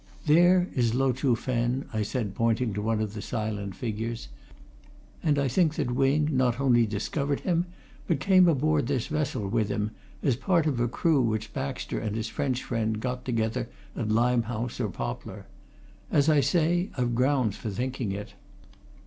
"There is Lo Chuh Fen," I said, pointing to one of the silent figures. "And I think that Wing not only discovered him, but came aboard this vessel with him, as part of a crew which Baxter and his French friend got together at Limehouse or Poplar. As I say, I've grounds for thinking it."